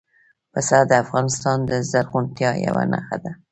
پسه د افغانستان د زرغونتیا یوه نښه ده.